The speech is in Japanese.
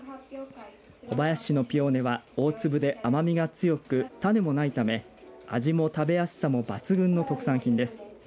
小林市のピオーネは大粒で甘みが強く種もないため、味も食べやすさも抜群の特産品です。